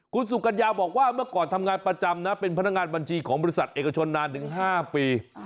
คุณสุกัญญาบอกว่าเมื่อก่อนทำงานประจำนะเป็นพนักงานบัญชีของบริษัทเอกชนนานถึง๕ปี